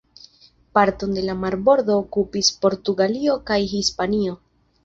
Parton de la marbordo okupis Portugalio kaj Hispanio.